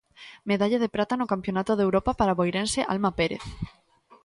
Medalla de prata no Campionato de Europa para a boirense Alma Pérez.